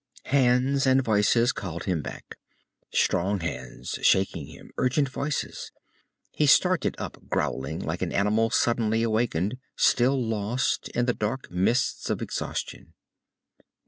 Hands and voices called him back. Strong hands shaking him, urgent voices. He started up growling, like an animal suddenly awaked, still lost in the dark mists of exhaustion.